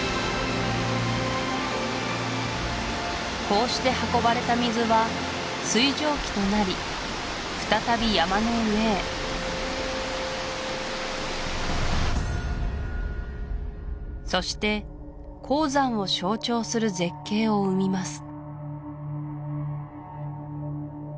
こうして運ばれた水は水蒸気となり再び山の上へそして黄山を象徴する絶景を生みます